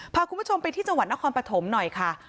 พาคุณผู้ชมไปที่จังหวัดนครปฐมหน่อยค่ะ